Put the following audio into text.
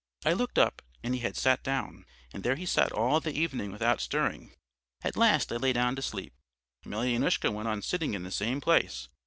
I looked up, and he had sat down. And there he sat all the evening without stirring. At last I lay down to sleep. Emelyanoushka went on sitting in the same place.